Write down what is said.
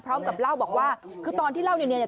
พร้อมกับเล่าบอกว่าคือตอนที่เล่าเนี่ยเนี่ย